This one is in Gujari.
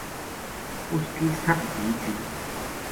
اُ س کی ست دھی تھی